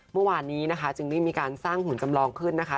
เมื่อวานนี้นะคะจึงได้มีการสร้างหุ่นจำลองขึ้นนะคะ